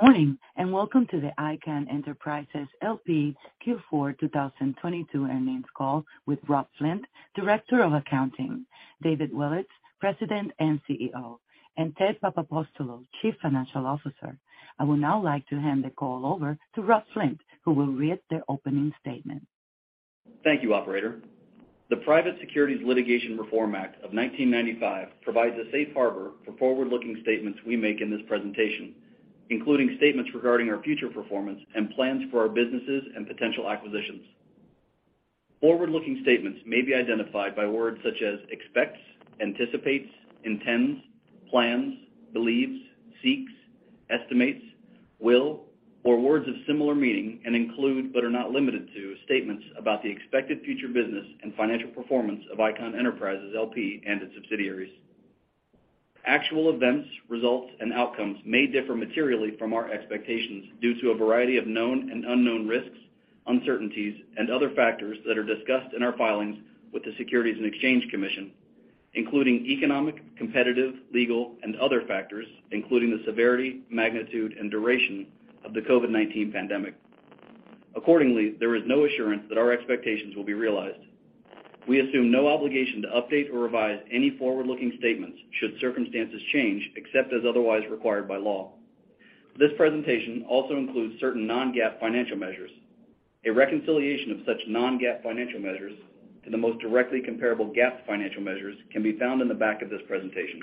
Good morning, welcome to the Icahn Enterprises L.P. Q4 2022 Earnings Call with Rob Flint, Director of Accounting, David Willetts, President and CEO, and Ted Papapostolou, Chief Financial Officer. I would now like to hand the call over to Rob Flint, who will read the opening statement. Thank you, operator. The Private Securities Litigation Reform Act of 1995 provides a safe harbor for forward-looking statements we make in this presentation, including statements regarding our future performance and plans for our businesses and potential acquisitions. Forward-looking statements may be identified by words such as expects, anticipates, intends, plans, believes, seeks, estimates, will, or words of similar meaning, and include, but are not limited to, statements about the expected future business and financial performance of Icahn Enterprises L.P. and its subsidiaries. Actual events, results, and outcomes may differ materially from our expectations due to a variety of known and unknown risks, uncertainties, and other factors that are discussed in our filings with the Securities and Exchange Commission, including economic, competitive, legal, and other factors, including the severity, magnitude, and duration of the COVID-19 pandemic. Accordingly, there is no assurance that our expectations will be realized. We assume no obligation to update or revise any forward-looking statements should circumstances change, except as otherwise required by law. This presentation also includes certain non-GAAP financial measures. A reconciliation of such non-GAAP financial measures to the most directly comparable GAAP financial measures can be found in the back of this presentation.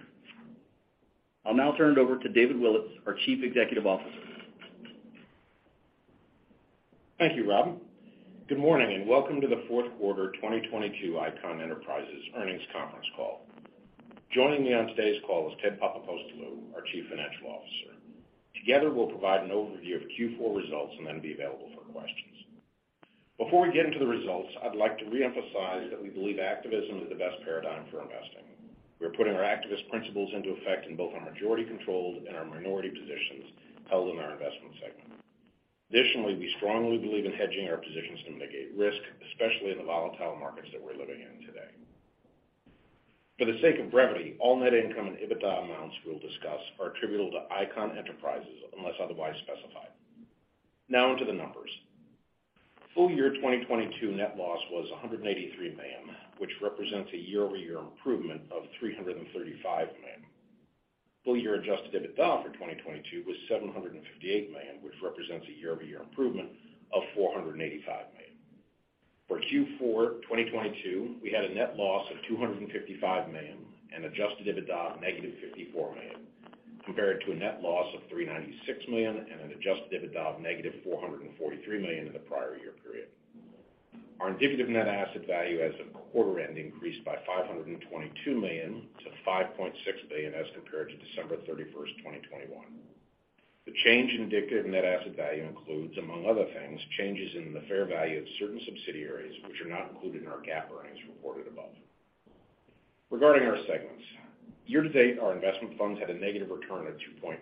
I'll now turn it over to David Willetts, our Chief Executive Officer. Thank you, Rob. Good morning, welcome to the fourth quarter 2022 Icahn Enterprises Earnings Conference Call. Joining me on today's call is Ted Papapostolou, our Chief Financial Officer. Together, we'll provide an overview of Q4 results, then be available for questions. Before we get into the results, I'd like to reemphasize that we believe activism is the best paradigm for investing. We're putting our activist principles into effect in both our majority-controlled and our minority positions held in our investment segment. We strongly believe in hedging our positions to mitigate risk, especially in the volatile markets that we're living in today. For the sake of brevity, all net income and EBITDA amounts we'll discuss are attributable to Icahn Enterprises unless otherwise specified. Now onto the numbers. Full year 2022 net loss was $183 million, which represents a year-over-year improvement of $335 million. Full year adjusted EBITDA for 2022 was $758 million, which represents a year-over-year improvement of $485 million. For Q4 2022, we had a net loss of $255 million and adjusted EBITDA of negative $54 million, compared to a net loss of $396 million and an adjusted EBITDA of negative $443 million in the prior year period. Our indicative net asset value as of quarter end increased by $522 million to $5.6 billion as compared to December 31st, 2021. The change in indicative net asset value includes, among other things, changes in the fair value of certain subsidiaries which are not included in our GAAP earnings reported above. Regarding our segments. Year to date, our investment funds had a negative return of 2.4%.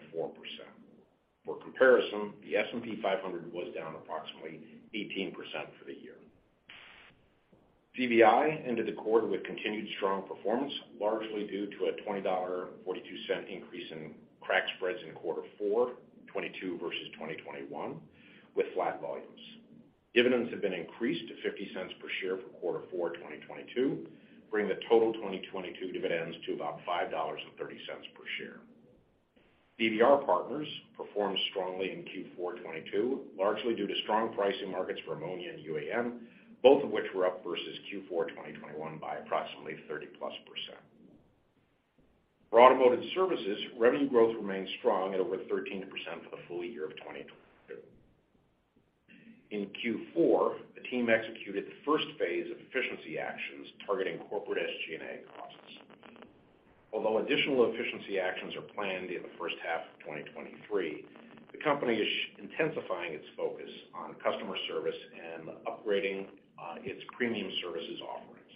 For comparison, the S&P 500 was down approximately 18% for the year. CVI ended the quarter with continued strong performance, largely due to a $20.42 increase in crack spreads in Q4 2022 versus 2021, with flat volumes. Dividends have been increased to $0.50 per share for Q4 2022, bringing the total 2022 dividends to about $5.30 per share. CVR Partners performed strongly in Q4 2022, largely due to strong pricing markets for ammonia and UAN, both of which were up versus Q4 2021 by approximately 30%+. For automotive services, revenue growth remains strong at over 13% for the full year of 2022. In Q4, the team executed the first phase of efficiency actions targeting corporate SG&A costs. Additional efficiency actions are planned in the first half of 2023, the company is intensifying its focus on customer service and upgrading its premium services offerings.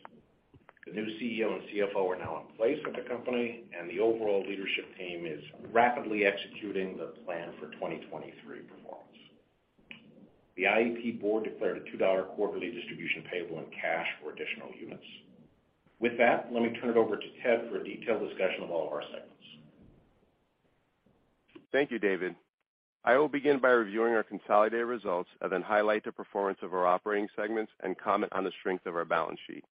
The new CEO and CFO are now in place with the company, and the overall leadership team is rapidly executing the plan for 2023 performance. The IEP board declared a $2 quarterly distribution payable in cash for additional units. With that, let me turn it over to Ted for a detailed discussion of all of our segments. Thank you, David. I will begin by reviewing our consolidated results and then highlight the performance of our operating segments and comment on the strength of our balance sheet.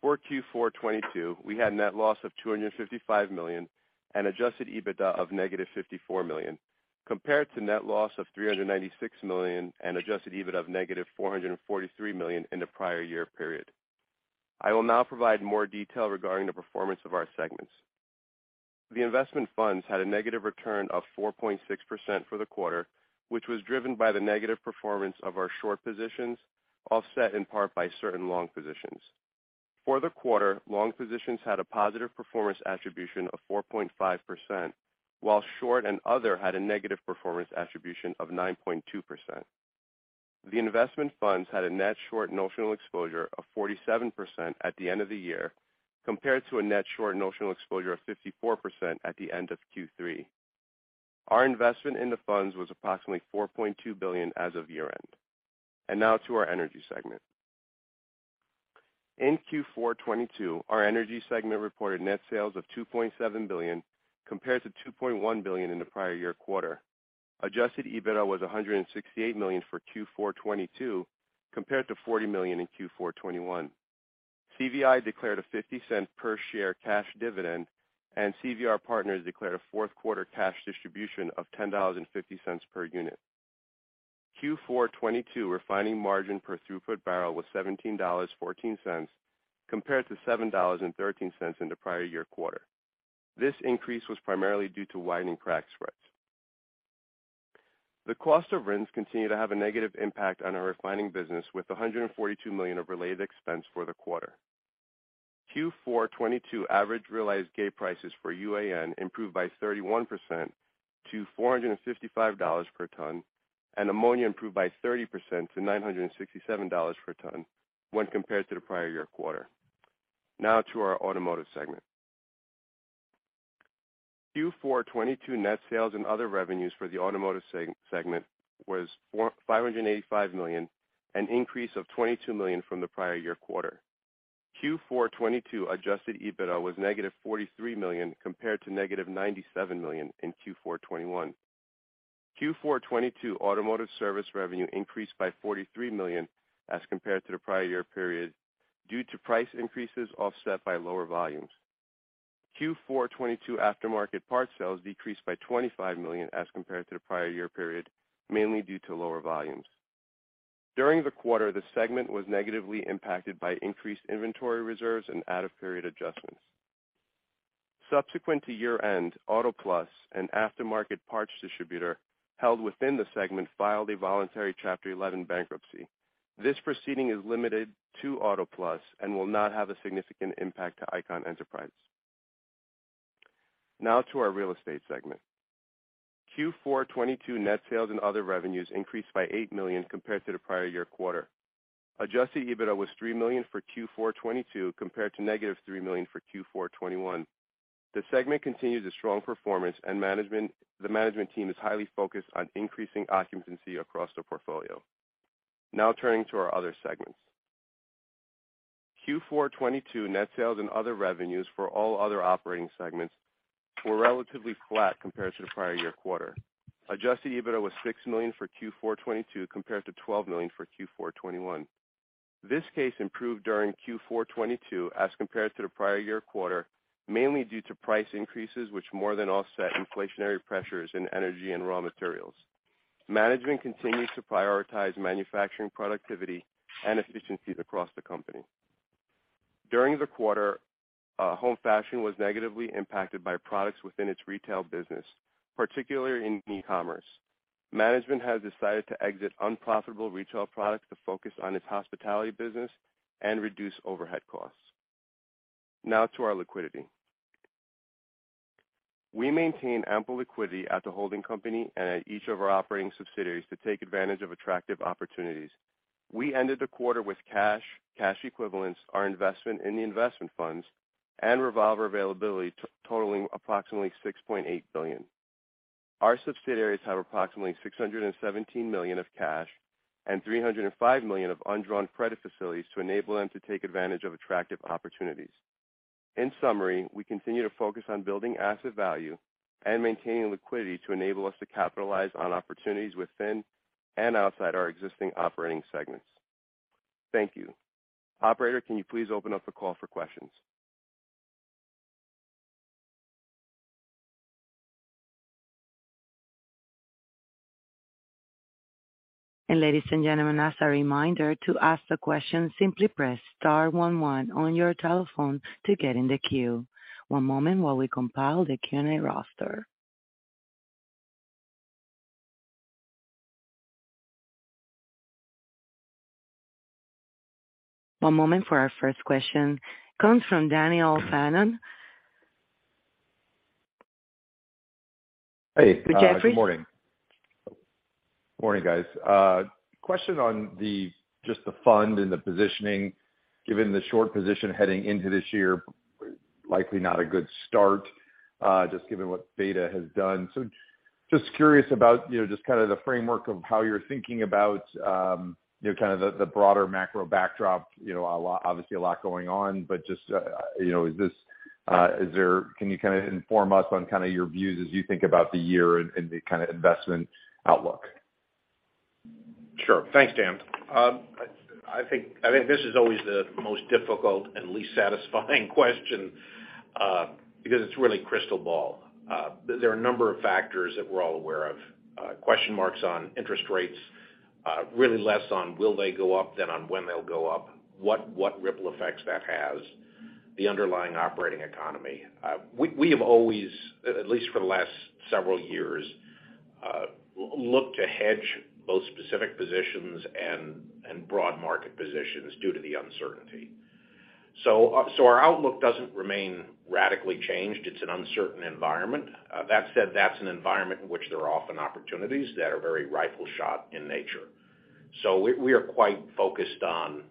For Q4 2022, we had net loss of $255 million and adjusted EBITDA of -$54 million, compared to net loss of $396 million and adjusted EBITDA of -$443 million in the prior year period. I will now provide more detail regarding the performance of our segments. The investment funds had a negative return of 4.6% for the quarter, which was driven by the negative performance of our short positions, offset in part by certain long positions. For the quarter, long positions had a positive performance attribution of 4.5%, while short and other had a negative performance attribution of 9.2%. The investment funds had a net short notional exposure of 47% at the end of the year, compared to a net short notional exposure of 54% at the end of Q3. Our investment in the funds was approximately $4.2 billion as of year-end. Now to our energy segment. In Q4 2022, our energy segment reported net sales of $2.7 billion compared to $2.1 billion in the prior year quarter. Adjusted EBITDA was $168 million for Q4 2022 compared to $40 million in Q4 2021. CVI declared a $0.50 per share cash dividend, and CVR Partners declared a fourth quarter cash distribution of $10.50 per unit. Q4 2022 refining margin per throughput barrel was $17.14 compared to $7.13 in the prior year quarter. This increase was primarily due to widening crack spreads. The cost of RINs continue to have a negative impact on our refining business, with $142 million of related expense for the quarter. Q4 2022 average realized gate prices for UAN improved by 31% to $455 per ton, and ammonia improved by 30% to $967 per ton when compared to the prior year quarter. Now to our automotive segment. Q4 2022 net sales and other revenues for the automotive segment was $585 million, an increase of $22 million from the prior year quarter. Q4 2022 adjusted EBITDA was negative $43 million compared to negative $97 million in Q4 2021. Q4 2022 automotive service revenue increased by $43 million as compared to the prior year period due to price increases offset by lower volumes. Q4 2022 aftermarket parts sales decreased by $25 million as compared to the prior year period, mainly due to lower volumes. During the quarter, the segment was negatively impacted by increased inventory reserves and out of period adjustments. Subsequent to year-end, Auto Plus, an aftermarket parts distributor held within the segment, filed a voluntary Chapter 11 bankruptcy. This proceeding is limited to Auto Plus and will not have a significant impact to Icahn Enterprises. To our real estate segment. Q4 2022 net sales and other revenues increased by $8 million compared to the prior year quarter. Adjusted EBITDA was $3 million for Q4 2022 compared to negative $3 million for Q4 2021. The segment continues a strong performance, the management team is highly focused on increasing occupancy across the portfolio. Turning to our other segments. Q4 2022 net sales and other revenues for all other operating segments were relatively flat compared to the prior year quarter. Adjusted EBITDA was $6 million for Q4 2022 compared to $12 million for Q4 2021. Viskase improved during Q4 2022 as compared to the prior year quarter, mainly due to price increases which more than offset inflationary pressures in energy and raw materials. Management continues to prioritize manufacturing productivity and efficiencies across the company. During the quarter, Home Fashion was negatively impacted by products within its retail business, particularly in e-commerce. Management has decided to exit unprofitable retail products to focus on its hospitality business and reduce overhead costs. To our liquidity. We maintain ample liquidity at the holding company and at each of our operating subsidiaries to take advantage of attractive opportunities. We ended the quarter with cash equivalents, our investment in the investment funds, and revolver availability totaling approximately $6.8 billion. Our subsidiaries have approximately $617 million of cash and $305 million of undrawn credit facilities to enable them to take advantage of attractive opportunities. In summary, we continue to focus on building asset value and maintaining liquidity to enable us to capitalize on opportunities within and outside our existing operating segments. Thank you. Operator, can you please open up the call for questions? Ladies and gentlemen, as a reminder, to ask a question, simply press star one one on your telephone to get in the queue. One moment while we compile the Q&A roster. One moment for our first question. Comes from Daniel Fannon. Hey, good morning. Jeffery. Morning, guys. Question on the just the fund and the positioning, given the short position heading into this year, likely not a good start, just given what beta has done. Just curious about, you know, just kind of the framework of how you're thinking about, you know, kind of the broader macro backdrop. You know, obviously a lot going on, but just, you know, can you kind of inform us on kind of your views as you think about the year and the kind of investment outlook? Sure. Thanks, Dan. I think this is always the most difficult and least satisfying question because it's really crystal ball. There are a number of factors that we're all aware of, question marks on interest rates, really less on will they go up than on when they'll go up, what ripple effects that has, the underlying operating economy. We have always, at least for the last several years, looked to hedge both specific positions and broad market positions due to the uncertainty. Our outlook doesn't remain radically changed. It's an uncertain environment. That said, that's an environment in which there are often opportunities that are very rifle shot in nature. We are quite focused on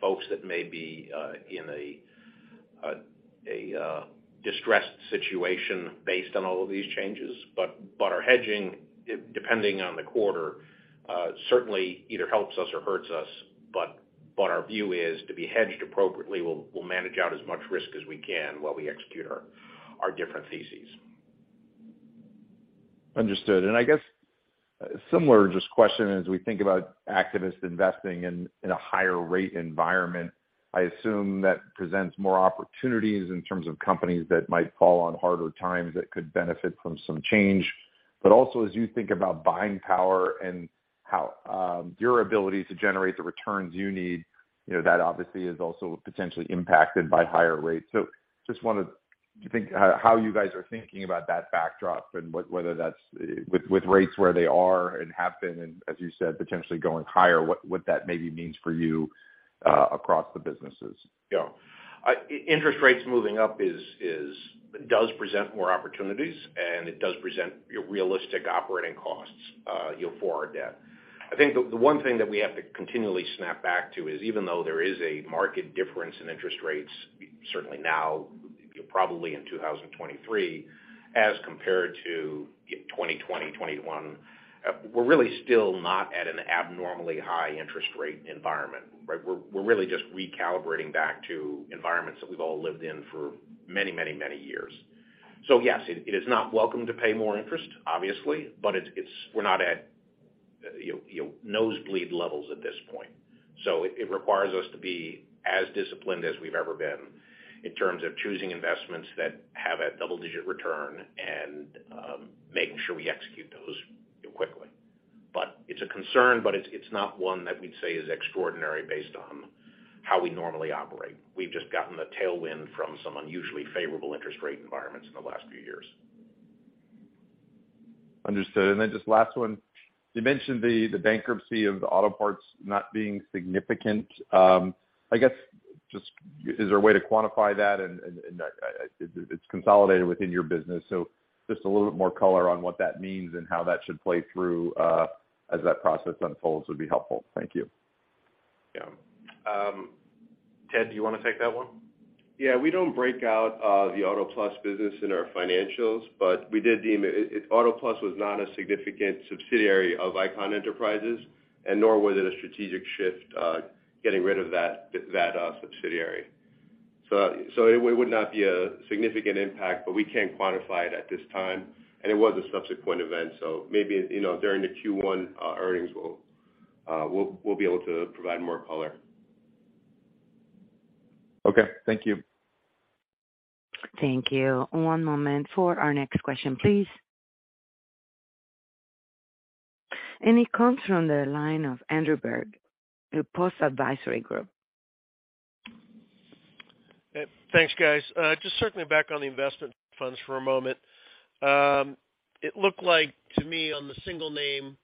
folks that may be in a A distressed situation based on all of these changes. Our hedging, depending on the quarter, certainly either helps us or hurts us. Our view is to be hedged appropriately, we'll manage out as much risk as we can while we execute our different theses. Understood. I guess similar just question as we think about activist investing in a higher rate environment, I assume that presents more opportunities in terms of companies that might fall on harder times that could benefit from some change. Also, as you think about buying power and how your ability to generate the returns you need, you know, that obviously is also potentially impacted by higher rates. Just wanted to think how you guys are thinking about that backdrop and whether that's, with rates where they are and have been, and as you said, potentially going higher, what that maybe means for you across the businesses. Yeah. interest rates moving up is does present more opportunities, and it does present realistic operating costs, you know, for our debt. I think the one thing that we have to continually snap back to is even though there is a market difference in interest rates, certainly now, probably in 2023, as compared to 2020, 2021, we're really still not at an abnormally high interest rate environment, right? We're really just recalibrating back to environments that we've all lived in for many, many, many years. Yes, it is not welcome to pay more interest, obviously, but it's we're not at, you know, nosebleed levels at this point. It requires us to be as disciplined as we've ever been in terms of choosing investments that have that double-digit return and making sure we execute those quickly. It's a concern, but it's not one that we'd say is extraordinary based on how we normally operate. We've just gotten a tailwind from some unusually favorable interest rate environments in the last few years. Understood. Just last one. You mentioned the bankruptcy of the Auto Plus not being significant. I guess, just is there a way to quantify that? It's consolidated within your business. Just a little bit more color on what that means and how that should play through, as that process unfolds would be helpful. Thank you. Yeah. Ted, do you wanna take that one? We don't break out the Auto Plus business in our financials. Auto Plus was not a significant subsidiary of Icahn Enterprises, nor was it a strategic shift getting rid of that subsidiary. It would not be a significant impact. We can't quantify it at this time. It was a subsequent event, maybe, you know, during the Q1 earnings, we'll be able to provide more color. Okay, thank you. Thank you. One moment for our next question, please. It comes from the line of Andrew Berg, Post Advisory Group. Thanks, guys. Just circling back on the investment funds for a moment. It looked like to me on the single name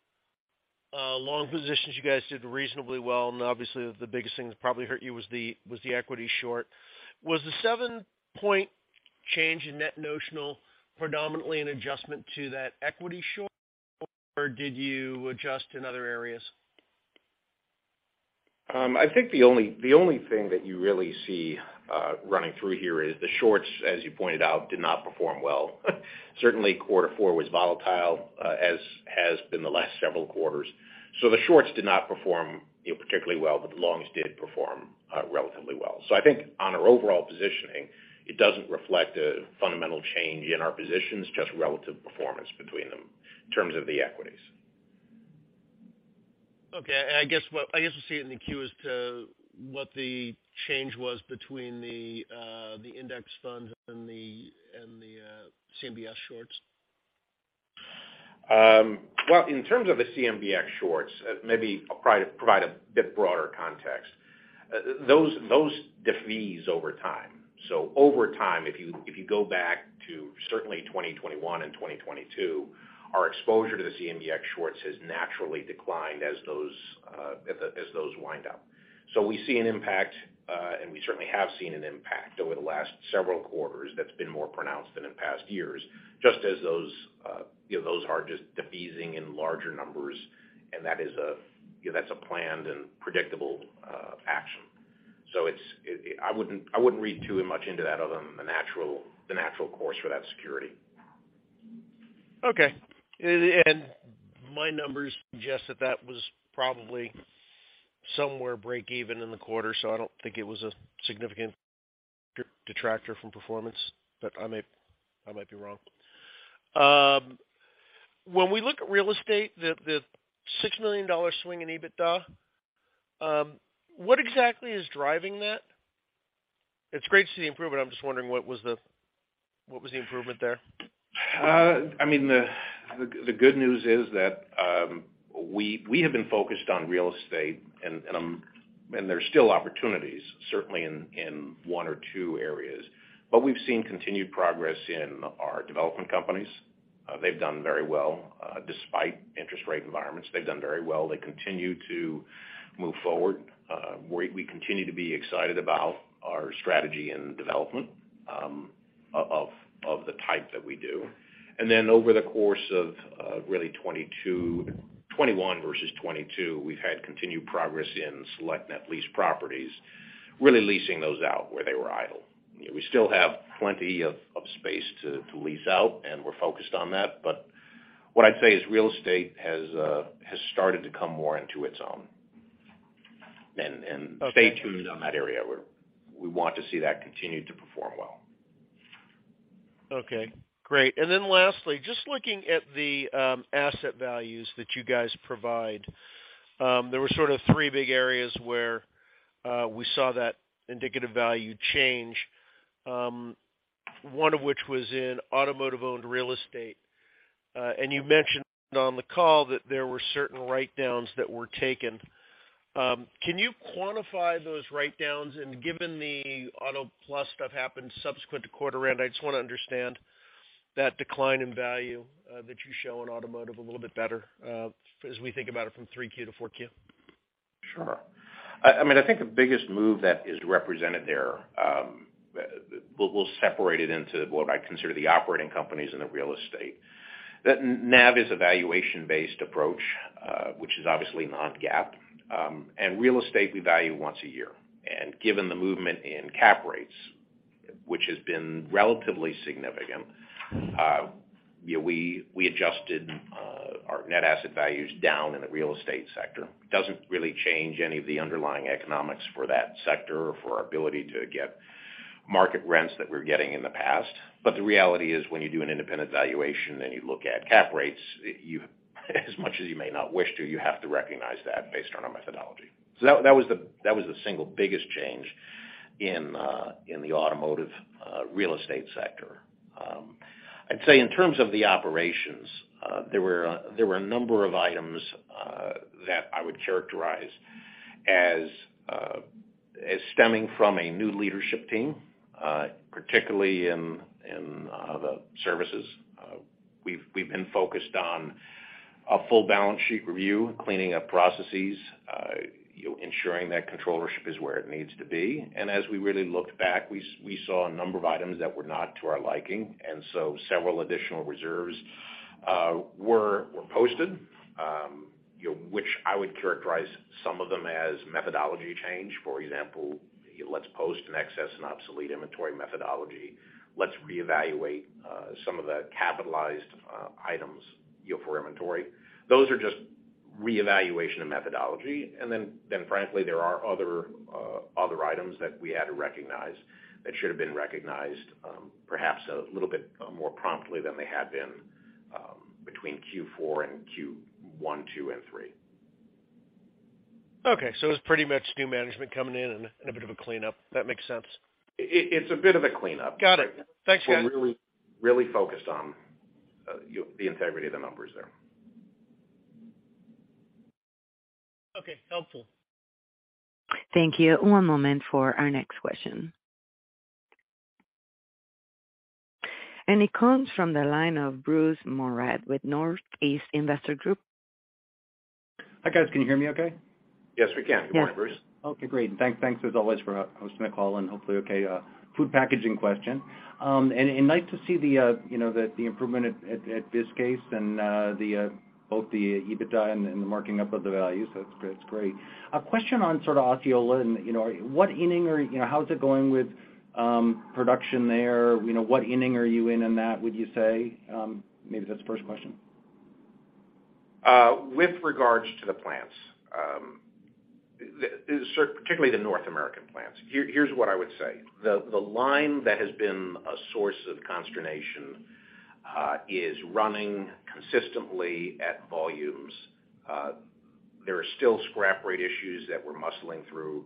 long positions, you guys did reasonably well, and obviously the biggest thing that probably hurt you was the equity short. Was the 7-point change in net notional predominantly an adjustment to that equity short, or did you adjust in other areas? I think the only thing that you really see running through here is the shorts, as you pointed out, did not perform well. Certainly, quarter four was volatile, as has been the last several quarters. The shorts did not perform, you know, particularly well, but the longs did perform relatively well. I think on our overall positioning, it doesn't reflect a fundamental change in our positions, just relative performance between them in terms of the equities. Okay. I guess we'll see it in the queue as to what the change was between the index fund and the, CMBX shorts. Well, in terms of the CMBX shorts, maybe I'll try to provide a bit broader context. Those, those defease over time. Over time, if you, if you go back to certainly 2021 and 2022, our exposure to the CMBX shorts has naturally declined as those wind up. We see an impact, and we certainly have seen an impact over the last several quarters that's been more pronounced than in past years, just as those, you know, those are just defeasing in larger numbers, and that is a, you know, that's a planned and predictable action. I wouldn't read too much into that other than the natural course for that security. Okay. My numbers suggest that that was probably somewhere break even in the quarter, so I don't think it was a significant detractor from performance, but I may, I might be wrong. When we look at real estate, the $6 million swing in EBITDA, what exactly is driving that? It's great to see the improvement. I'm just wondering what was the improvement there? I mean, the good news is that we have been focused on real estate and there's still opportunities, certainly in one or two areas. We've seen continued progress in our development companies. They've done very well. Despite interest rate environments, they've done very well. They continue to move forward. We continue to be excited about our strategy and development of the type that we do. Over the course of really 2022, 2021 versus 2022, we've had continued progress in select net lease properties, really leasing those out where they were idle. You know, we still have plenty of space to lease out, and we're focused on that. What I'd say is real estate has started to come more into its own. Stay tuned on that area where we want to see that continue to perform well. Okay, great. Lastly, just looking at the asset values that you guys provide. There were sort of 3 big areas where we saw that indicative value change, one of which was in automotive-owned real estate. You mentioned on the call that there were certain write-downs that were taken. Can you quantify those write-downs? Given the Auto Plus stuff happened subsequent to quarter end, I just wanna understand that decline in value that you show in automotive a little bit better as we think about it from 3Q to 4Q. Sure. I mean, I think the biggest move that is represented there, we'll separate it into what I consider the operating companies and the real estate. That NAV is a valuation-based approach, which is obviously non-GAAP. Real estate we value once a year. Given the movement in cap rates, which has been relatively significant, you know, we adjusted our net asset values down in the real estate sector. Doesn't really change any of the underlying economics for that sector or for our ability to get market rents that we're getting in the past. The reality is, when you do an independent valuation and you look at cap rates, you... as much as you may not wish to, you have to recognize that based on our methodology. That was the single biggest change in the automotive real estate sector. I'd say in terms of the operations, there were a number of items that I would characterize as stemming from a new leadership team, particularly in the services. We've been focused on a full balance sheet review, cleaning up processes, you know, ensuring that controllership is where it needs to be. As we really looked back, we saw a number of items that were not to our liking, several additional reserves were posted, you know, which I would characterize some of them as methodology change. For example, let's post an excess in obsolete inventory methodology. Let's reevaluate some of the capitalized items, you know, for inventory. Those are just reevaluation of methodology. Then frankly, there are other items that we had to recognize that should have been recognized, perhaps a little bit more promptly than they had been, between Q4 and Q1, two, and three. It's pretty much new management coming in and a bit of a cleanup. That makes sense. It's a bit of a cleanup. Got it. Thanks, guys. We're really focused on, you know, the integrity of the numbers there. Okay, helpful. Thank you. One moment for our next question. It comes from the line of Bruce Monrad with Northeast Investment Management. Hi, guys. Can you hear me okay? Yes, we can. Good morning, Bruce. Okay, great. Thanks as always for hosting the call and hopefully okay, food packaging question. Nice to see the, you know, the improvement at this case and the both the EBITDA and the marking up of the value. It's great. A question on sort of Osceola and, you know, what inning or, you know, how is it going with production there? You know, what inning are you in in that, would you say? Maybe that's the first question. With regards to the plants, particularly the North American plants, here's what I would say. The line that has been a source of consternation is running consistently at volumes. There are still scrap rate issues that we're muscling through.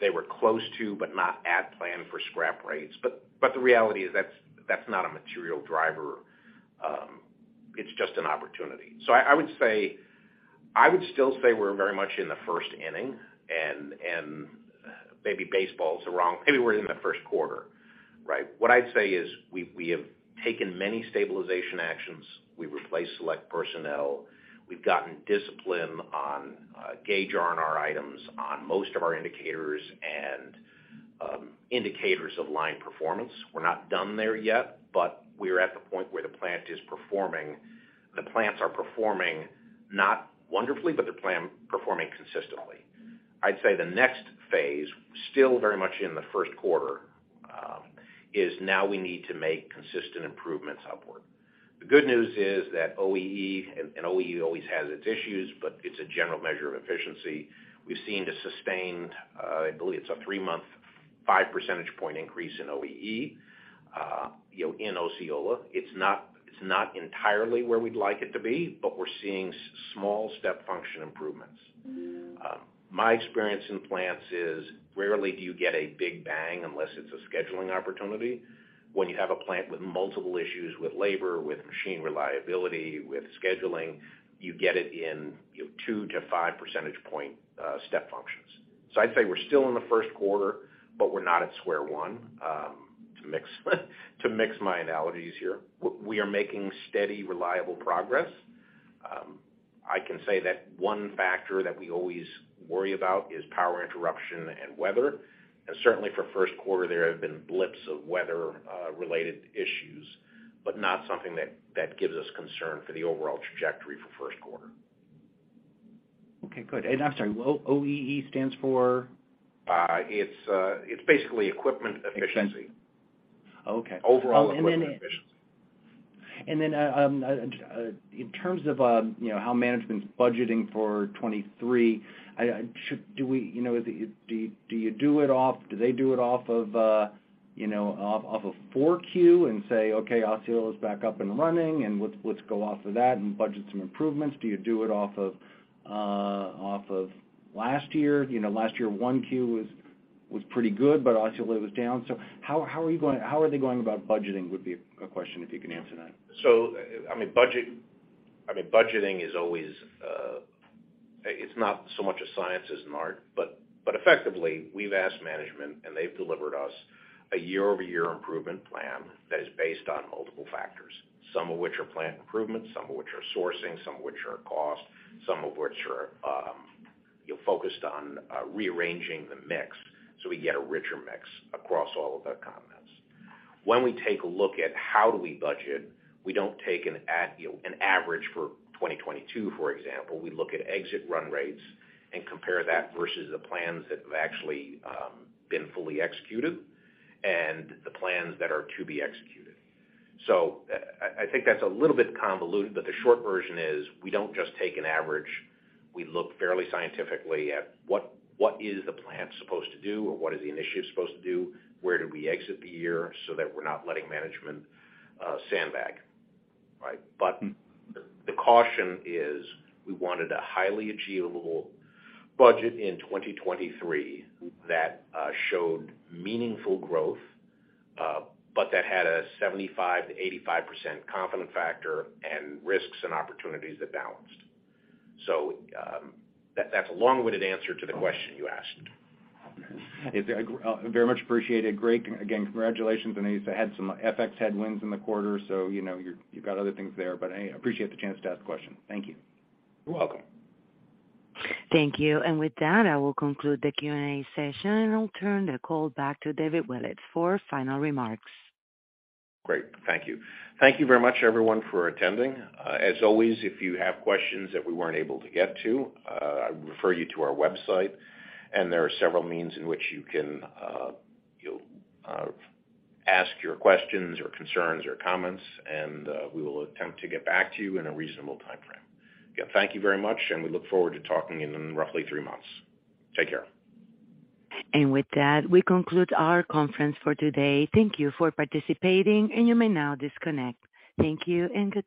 They were close to, but not at plan for scrap rates. The reality is that's not a material driver. It's just an opportunity. I would say I would still say we're very much in the first inning and maybe baseball's the wrong. Maybe we're in the first quarter, right? What I'd say is we have taken many stabilization actions. We've replaced select personnel. We've gotten discipline on gauge RNR items on most of our indicators and indicators of line performance. We're not done there yet, but we're at the point where the plants are performing not wonderfully, but they're performing consistently. I'd say the next phase, still very much in the first quarter, is now we need to make consistent improvements upward. The good news is that OEE, and OEE always has its issues, but it's a general measure of efficiency. We've seen a sustained, I believe it's a three-month, 5 percentage point increase in OEE, you know, in Osceola. It's not, it's not entirely where we'd like it to be, but we're seeing small step function improvements. My experience in plants is rarely do you get a big bang unless it's a scheduling opportunity. When you have a plant with multiple issues, with labor, with machine reliability, with scheduling, you get it in, you know, 2-5 percentage point step functions. I'd say we're still in the first quarter, but we're not at square one, to mix my analogies here. We are making steady, reliable progress. I can say that one factor that we always worry about is power interruption and weather. Certainly for first quarter, there have been blips of weather related issues, but not something that gives us concern for the overall trajectory for first quarter. Okay, good. I'm sorry, OEE stands for? It's basically equipment efficiency. Okay. Overall equipment efficiency. In terms of, you know, how management's budgeting for 2023, do they do it off of 4Q and say, "Okay, Osceola is back up and running, and let's go off of that and budget some improvements"? Do you do it off of last year? You know, last year, 1Q was pretty good, but Osceola was down. How are they going about budgeting, would be a question if you can answer that. I mean, budgeting is always, it's not so much a science as an art, but effectively, we've asked management and they've delivered us a year-over-year improvement plan that is based on multiple factors, some of which are plant improvements, some of which are sourcing, some of which are cost, some of which are focused on rearranging the mix, so we get a richer mix across all of the commitments. When we take a look at how do we budget, we don't take, you know, an average for 2022, for example. We look at exit run rates and compare that versus the plans that have actually been fully executed and the plans that are to be executed. I think that's a little bit convoluted, but the short version is we don't just take an average. We look fairly scientifically at what is the plant supposed to do or what is the initiative supposed to do? Where do we exit the year so that we're not letting management sandbag, right? The caution is we wanted a highly achievable budget in 2023 that showed meaningful growth, but that had a 75%-85% confident factor and risks and opportunities that balanced. That's a long-winded answer to the question you asked. Okay. I very much appreciate it. Great. Again, congratulations on these. I had some FX headwinds in the quarter, so you know, you've got other things there, but I appreciate the chance to ask questions. Thank you. You're welcome. Thank you. With that, I will conclude the Q&A session, and I'll turn the call back to David Willetts for final remarks. Great. Thank you. Thank you very much, everyone, for attending. As always, if you have questions that we weren't able to get to, I refer you to our website, and there are several means in which you can, you'll, ask your questions or concerns or comments, and we will attempt to get back to you in a reasonable timeframe. Again, thank you very much, and we look forward to talking in roughly three months. Take care. With that, we conclude our conference for today. Thank you for participating, and you may now disconnect. Thank you and good day.